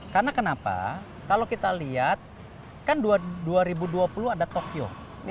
karena kenapa kalau kita lihat kan dua ribu dua puluh ada tokyo